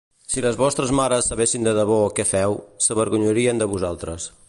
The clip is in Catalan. Si les vostres mares sabessin de debò què feu, s'avergonyirien de vosaltres.